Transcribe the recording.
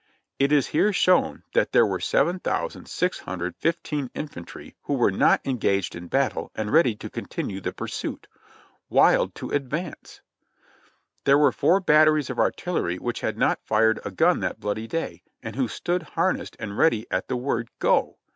It is here shown that there were 7,615 infantry who were not engaged in battle and ready to continue the pursuit — wild to ad vance. There were four batteries of artillery which had not fired a gun that bloody day, and who stood harnessed and ready at the word "Go